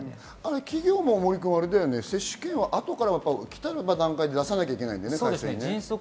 企業も接種券はあとから来たらという段階で出さなければいけないんだよね。